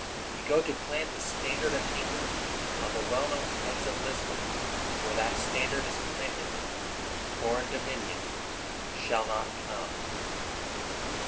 We go to plant the standard of England on the well known heights of Lisbon. Where that standard is planted, foreign dominion shall not come.